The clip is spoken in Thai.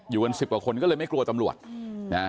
อยู่กันสิบกว่าคนก็เลยไม่กลัวตำรวจนะฮะ